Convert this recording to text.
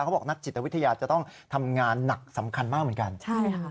เขาบอกนักจิตวิทยาจะต้องทำงานหนักสำคัญมากเหมือนกันใช่ค่ะ